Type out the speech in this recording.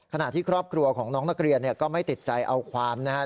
ที่ครอบครัวของน้องนักเรียนก็ไม่ติดใจเอาความนะครับ